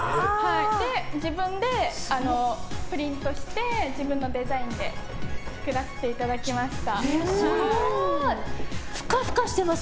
自分でプリントして自分のデザインで作らせていただきました。